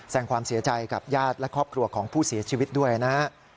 แสดงความเสียใจกับญาติและครอบครัวของผู้เสียชีวิตด้วยนะฮะ